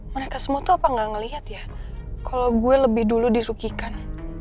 mereka semua tuh apa gak ngeliat ya kalau gue lebih dulu dirukikan